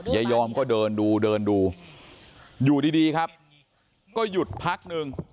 ยายอมก็เดินดูเดินดูอยู่ดีครับก็หยุดพักนึง